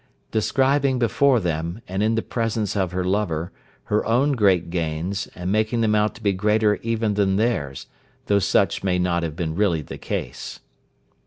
Describing before them, and in the presence of her lover, her own great gains, and making them out to be greater even than theirs, though such may not have been really the case.